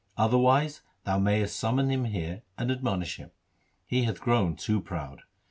Otherwise thou mayest summon him here, and admonish him. He hath grown too proud.